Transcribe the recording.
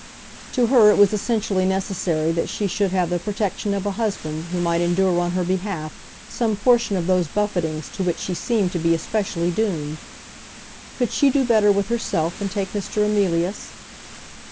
To her it was essentially necessary that she should have the protection of a husband who might endure on her behalf some portion of those buffetings to which she seemed to be especially doomed. Could she do better with herself than take Mr. Emilius?